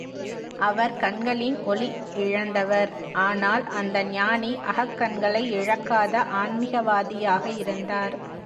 அவர் கண்களின் ஒளி இழந்தவர் ஆனால், அந்த ஞானி அகக்கண்களை இழக்காத ஆன்மிகவாதியாக இருந்தார்.